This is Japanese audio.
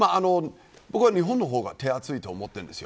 僕は日本の方が手厚いと思っているんです。